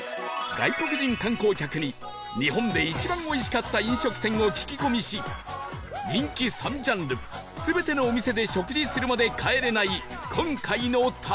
外国人観光客に日本で一番おいしかった飲食店を聞き込みし人気３ジャンル全てのお店で食事するまで帰れない今回の旅